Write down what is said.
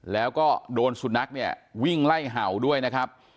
แล้วก็โดนสุนัขเนี่ยวิ่งไล่เห่าด้วยนะครับ